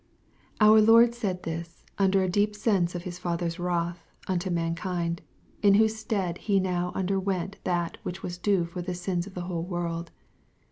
" Our Lord said this, under a deep sense of His Father's wrath anto mankind, in whose stead He now underwent that which was due for the sins of the whoie world.